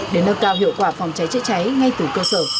để nâng cao hiệu quả phòng cháy chữa cháy ngay từ cơ sở